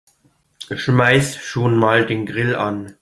Schmeiß schon mal den Grill an.